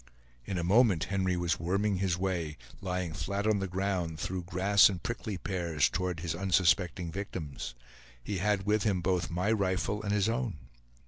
In a moment Henry was worming his way, lying flat on the ground, through grass and prickly pears, toward his unsuspecting victims. He had with him both my rifle and his own.